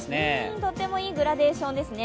とてもいいグラデーションですね。